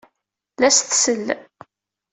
La as-tsell.